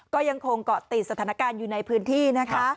ก็ยังคงเกาะติดสถานการณ์อยู่ในพื้นที่นะคะ